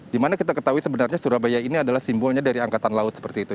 dimana kita ketahui sebenarnya surabaya ini adalah simbolnya dari angkatan laut seperti itu